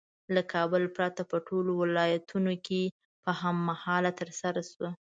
له کابل پرته په ټولو ولایتونو کې په هم مهاله ترسره شوه.